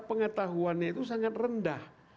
pengetahuannya itu sangat rendah